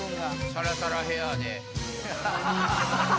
サラサラヘアで。